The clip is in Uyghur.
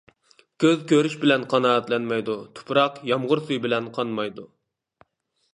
كۆز كۆرۈش بىلەن قانائەتلەنمەيدۇ تۇپراق يامغۇر سۈيى بىلەن قانمايدۇ.